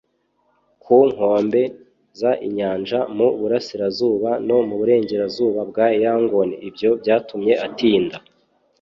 ku nkombe z inyanja mu burasirazuba no mu burengerazuba bwa Yangon Ibyo byatumye atinda